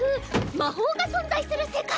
魔法が存在する世界。